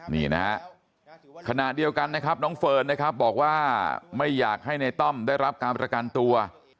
นี่นะฮะขณะเดียวกันนะครับน้องเฟิร์นนะครับบอกว่าไม่อยากให้ในต้อมได้รับการประกันตัว